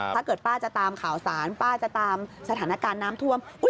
ถ้าเกิดป้าจะตามข่าวสารป้าจะตามสถานการณ์น้ำท่วม